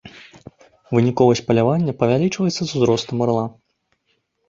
Выніковасць палявання павялічваецца з узростам арла.